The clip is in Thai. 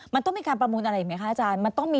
มันต้องมีการประมูลอะไรไหมคะอาจารย์มันต้องมีการพัฒนา